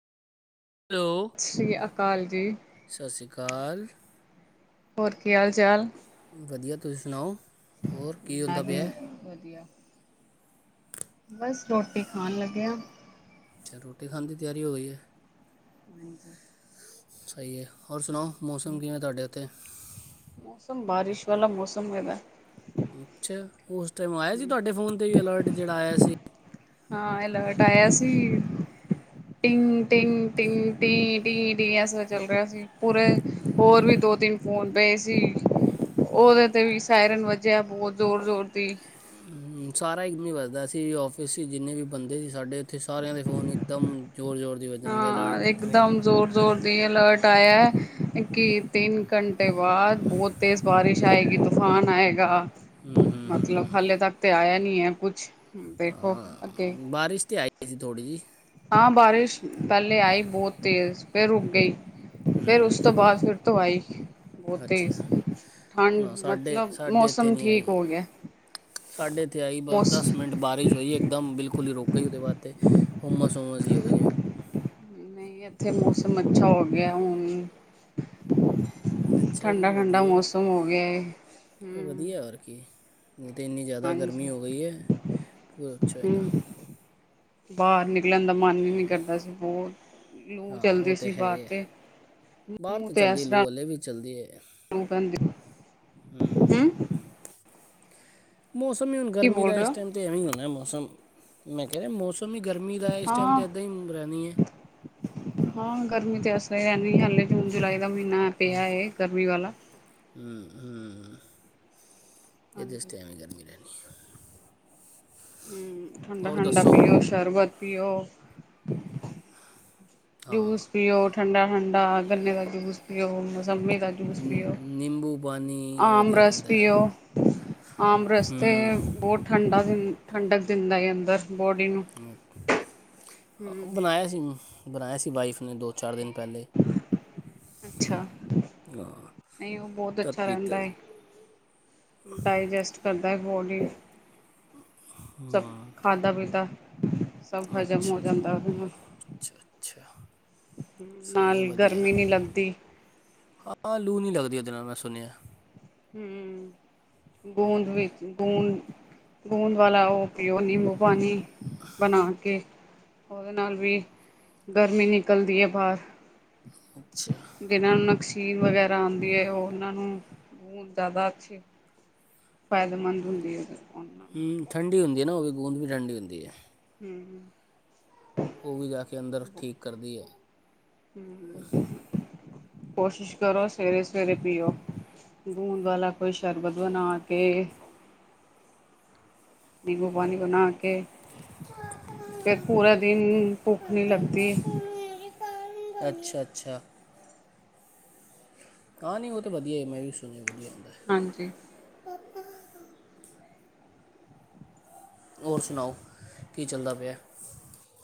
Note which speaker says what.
Speaker 1: Hello
Speaker 2: ਸ੍ਰੀ ਅਕਾਲ ਜੀ,
Speaker 1: ਕਾਲ,
Speaker 2: ਹੋਰ ਕੀ ਹਾਲ ਚਾਲ,
Speaker 1: ਵਧੀਆ ਤੁਸੀਂ ਸੁਣਾਓ। ਹੋਰ ਕੀ
Speaker 2: ਮੈਂ
Speaker 1: ਹੁੰਦਾ
Speaker 2: ਵੀ
Speaker 1: ਪਿਆ।
Speaker 2: ਵਧੀਆ ਬਸ ਰੋਟੀ ਖਾਣ ਲੱਗੇ ਆ।
Speaker 1: ਅੱਛਾ ਰੋਟੀ ਖਣ ਦੀ ਤਿਆਰੀ ਹੋ ਗਈ ਐ।
Speaker 2: ਹਾਂਜੀ,
Speaker 1: ਸਹੀ ਐ ਹੋਰ ਸੁਣਾਓ। ਮੌਸਮ ਕਿਵੇਂ ਤੁਹਾਡੇ ਇੱਥੇ,
Speaker 2: ਮੌਸਮ ਬਾਰਿਸ਼ ਵਾਲਾ ਮੌਸਮ ਹੈਗਾ।
Speaker 1: ਅੱਛਾ, ਉਸ ਟੈਮ ਆਇਆ ਸੀ ਤੁਹਾਡੇ ਫੋਨ ਤੇ ਵੀ ਅਲਰਟ ਜਿਹੜਾ ਆਇਆ ਸੀ।
Speaker 2: ਹਾਂ ਅਲਰਟ ਆਇਆ ਸੀ, ਟਿਗ ਟਿਗ ਟਿਗ ਟੀ ਟੀ ਟੀ ਐਸਾ ਚੱਲ ਰਿਹਾ ਸੀ ਪੂਰੇ ਹੋਰ ਵੀ ਦੋ ਤਿੰਨ ਫੋਨ ਪਏ ਸੀ ਉਹਦੇ ਤੇ ਵੀ ਸਾਇਰਨ ਵੱਜਿਆ ਬਹੁਤ ਜ਼ੋਰ ਜ਼ੋਰ ਦੀ,
Speaker 1: ਸਾਰਾ ਇੱਕ ਦਮ ਹੀ ਬਜਦਾ ਸੀ ਔਫਿਸ ਚ ਜਿੰਨੇ ਵੀ ਬੰਦੇ ਸੀ ਸਾਡੇ ਉੱਥੇ ਸਾਰਿਆਂ ਦੇ ਫੋਨ ਇਕਦਮ ਜ਼ੋਰ ਜ਼ੋਰ ਦੀ ਵੱਜਣਗੇ ਅਲਰਟ ਟਰੀ
Speaker 2: ਇਹ ਅਲਰਟ ਆਇਆ ਕਿ ਤਿੰਨ ਘੰਟੇ ਬਾਅਦ ਬਹੁਤ ਤੇਜ਼ ਬਾਰਿਸ਼ ਆਏਗੀ ਤੂਫ਼ਾਨ ਆਏਗਾ।
Speaker 1: ਹੂੰ ਹੂੰ
Speaker 2: ਮਤਲਬ
Speaker 1: ਹੂੰ
Speaker 2: ਹਾਲੇ ਤੱਕ ਤੇ ਆਇਆ ਨ [unintelligible]
Speaker 1: ਬਾਰਿਸ਼ ਤੇ ਆਈ ਸੀ ਥੋੜੀ ਜੀ
Speaker 2: ਬਾਰੇ ਪਹਿਲੇ ਆਈ ਬਹੁਤ ਤੇਰ ਹੋ ਗਈ ਫਿਰ
Speaker 1: ਹੂੰ
Speaker 2: ਉਸ ਤੋਂ ਬਾਅਦ ਫਿਰ [unintelligible]
Speaker 1: ਅੱਛਾ,
Speaker 2: ਤੇਜ਼ ਠੰਡ
Speaker 1: ਨਾ ਸਾਡੇ
Speaker 2: ਮਤਲਬ
Speaker 1: ਸਾਡੇ ਇੱਥੇ
Speaker 2: ਮੌਸਮ
Speaker 1: ਨੀ
Speaker 2: ਠੀਕ ਹੋ
Speaker 1: ਆਈ।
Speaker 2: ਗਿਆ
Speaker 1: ਸਾਡੇ ਇੱਥੇ ਆਈ ਬਸ
Speaker 2: ਮੌਸ
Speaker 1: ਦਸ ਮਿੰਟ ਬਾਰਿਸ਼ ਹੋਈ ਇੱਕਦਮ ਬਿਲਕੁਲ ਕੋੂਲੀ ਰੋਕੋ ਜੀ ਉਹਦੇ ਬਾਅਦ ਤੇ ਹੁਮਸ ਹੁਮਸ ਜੀ ਹੋਈ ਜਿਵੇਂ
Speaker 2: ਨਹੀਂ ਇੱਥੇ ਮੌਸਮ, ਅੱਛਾ ਹੋ ਗਿਆ ਹੁਣ
Speaker 1: ਅੱਛਾ ਜੀ
Speaker 2: ਠੰਡਾ- ਠੰਡਾ
Speaker 1: ਵਧੀਆ
Speaker 2: ਮੌਸਮ ਹੋ ਗਿਆ
Speaker 1: ਵਧੀਆ ਹੋਰ ਕੀ ਨਹੀਂ ਤਾਂ ਇੰਨੀ ਜ਼ਿਆਦਾ
Speaker 2: ਹਾਂਜੀ
Speaker 1: ਗਰਮੀ ਹੋ ਗਈ ਹੈ। ਪੂਰਾ ਅੱਛਾ ਹੋ ਜਾਨਾ
Speaker 2: ਹਮ ਬਾਹਰ ਨਿਕਲਣ ਦਾ ਮਨ ਵੀ ਨੀ ਕਰਦਾ ਸੀ ਬਹੁਤ ਲੂ
Speaker 1: ਹਾਂ ਉਹ
Speaker 2: ਚੱਲਦੀ
Speaker 1: ਤੇ
Speaker 2: ਸੀ
Speaker 1: ਹੈ
Speaker 2: ਬਾਹਰ
Speaker 1: ਈ ਐ,
Speaker 2: ਤੇ
Speaker 1: ਬਾਹਰ
Speaker 2: ਮੂੰਹ
Speaker 1: ਤਾਂ
Speaker 2: ਤੇ
Speaker 1: ਚੱਲਦੇ
Speaker 2: ਇਸ
Speaker 1: ਲੂ
Speaker 2: ਤਰ੍ਹਾਂ
Speaker 1: ਹਾਲੇ ਵੀ ਚੱਲਦੇ ਐ
Speaker 2: ਲੂ ਪੈਂਦੀ
Speaker 1: ਹੂ।
Speaker 2: ਹਮ
Speaker 1: ਮੌਸਮ ਈ ਹੁਣ
Speaker 2: ਕੀ
Speaker 1: ਗਰਮੀ
Speaker 2: ਬੋਲ
Speaker 1: ਦਾ
Speaker 2: ਰਹੇ
Speaker 1: ਇਸ
Speaker 2: ਹੋ
Speaker 1: ਟਾਈਮ ਤੇ ਐਵੇਂ ਹੋਣਾ ਮੌ ਸਮ ਮੈਂ ਕਹਿ ਰਿਹਾ ਮੌਸਮ ਮੌਸਮ ਈ ਗਰਮੀ ਦਾ ਏ ਇਸ ਟਾਈਮ
Speaker 2: ਹਾਂ
Speaker 1: ਤੇ ਏਦਾਂ ਹੀ ਰਹਿਣੀ ਏ।
Speaker 2: ਹੱਲੇ ਇੰਨੀ ਹਲੇ ਜੂਨ-ਜੁਲਾਈ ਦਾ ਮਹੀਨਾ ਪਿਆ ਏ ਗਰਮੀ ਵਾਲਾ।
Speaker 1: [unintelligible] ਇਹ ਦੇਸ
Speaker 2: ਹਾਂਜੀ
Speaker 1: ਤੇ ਐਵੇਂ ਈ ਗਰਮੀ ਰਹਿਣੀ। ਹੈ।
Speaker 2: ਹੂੰ ਠੰਡਾ
Speaker 1: ਔਰ
Speaker 2: -ਠੰਡਾ
Speaker 1: ਦੱਸੋ
Speaker 2: ਪੀਓ ਸ਼ਰਬਤ। ਪੀਓ। ਜੂਸ ਪੀਓ ਠੰਡਾ-ਠੰਡਾ ਗੰਨੇ ਦਾ ਜੂਸ ਪੀਓ, ਮੁਸੰਮੀ ਦਾ ਜੂਸ ਪੀਓ,
Speaker 1: ਨਿੰਬੂ ਪਾਣੀ
Speaker 2: ਆਮ
Speaker 1: ਵਧੀਆ
Speaker 2: ਰਸ
Speaker 1: ਰਹਿੰਦਾ ਹੈ?
Speaker 2: ਪੀਓ, ਆਮ ਰਸ ਤੇ ਬਹੁਤ ਠੰਡਾ ਦਿਨ ਠੰਡਕ ਦਿੰਦਾ ਹੀ ਅੰਦਰ। ਬੋਡੀ ਨੂੰ
Speaker 1: [unintelligible]
Speaker 2: ਹਮ
Speaker 1: ਬਣਾਇਆ ਸੀ ਮੈਂ। ਬਣਾਇਆ ਸੀ ਵਾਈਫ ਨੇ ਦੋ-ਚਾਰ ਦਿਨ।
Speaker 2: ਅੱਛਾ, ਨਹੀਂ ਉਹ ਬਹੁਤ ਅੱਛਾ ਰਹਿੰਦਾ ਏ,
Speaker 1: ਸੀ
Speaker 2: ਡਾਇਜਸਟ ਕਰ ਦਾ ਏ ਬੋਡੀ ਨੂੰ। ਸਭ ਖਾਧਾ-ਪੀਤਾ
Speaker 1: ਅੱਛਾ ਜੀ,
Speaker 2: ਨਾਲ
Speaker 1: ਅੱਛਾ-ਅੱਛਾ।
Speaker 2: ਨਾਲ ਗਰਮੀ ਨੀ ਲੱਗਦੀ।
Speaker 1: ਹਾਂ ਲੂ ਨਹੀਂ ਲੱਗਦੀ ਉਹਦੇ ਨਾਲ ਮੈਂ ਸੁਣਿਆ।
Speaker 2: ਹੂੰ ਗੂੰਦ ਵਿੱਚ ਗੂੰਦ ਵਾਲਾ ਉਹ ਪੀਓ ਨਿੰਬੂ ਪਾਣੀ, ਬਣਾ ਕੇ ਉਹਦੇ ਨਾਲ ਵੀ ਗਰਮੀ ਨਿਕਲਦੀ ਹੈ ਬਾਹਰ।
Speaker 1: ਅੱਛਾ
Speaker 2: ਜਿਹਨਾਂ ਨੂੰ ਨਕਸੀਨ ਵਗੈਰਾ ਆਂਦੀ ਏ ਉਹ ਉਹਨਾਂ ਨੂੰ, ਉਹ ਜ਼ਿਆਦਾ ਅੱਛੀ ਫਾਇਦੇਮੰਦ ਹੁੰਦੀ ਹੈ। ਉਹਨਾਂ ਨੂੰ
Speaker 1: ਹੂੰ ਠੰਡੀ ਹੁੰਦੀ ਹੈ ਨਾ ਉਹ ਵੀ ਗੂੰਦ ਵੀ ਠੰਡੀ ਹੁੰਦੀ ਹੈ।
Speaker 2: ਹੂੰ-ਹੂੰ
Speaker 1: ਉਹ ਵੀ ਜਾ ਕੇ ਅੰਦਰ ਠੀਕ ਕਰਦੀ ਏ।
Speaker 2: ਹੂੰ ਕੋਸ਼ਿਸ਼ ਕਰੋ ਸਵੇਰੇ-ਸਵੇਰੇ ਪੀਓ, ਗੂੰਦ ਵਾਲਾ ਕੋਈ ਸ਼ਰਬਤ ਬਣਾ ਕੇ, ਨਿੰਬੂ ਪਾਣੀ ਬਣਾ ਕੇ। ਫਿਰ ਪੂਰਾ ਦਿਨ ਭੁੱਖ ਨੀ ਲੱਗਦੀ।
Speaker 1: ਅੱਛਾ-ਅੱਛਾ। ਹਾਂ ਨਹੀਂ ਉਹ ਤਾਂ ਵਧੀਆ ਏ ਮੈਂ ਵੀ ਸੁਣਿਆ ਵਧੀਆ ਹੁੰਦਾ ਹੈ
Speaker 2: ਹਾਂਜੀ
Speaker 1: ਹੋਰ ਸੁਣਾਓ ਕੀ ਚੱਲਦਾ ਪਿਆ